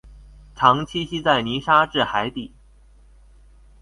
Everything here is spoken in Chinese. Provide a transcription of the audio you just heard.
常栖息在泥沙质海底。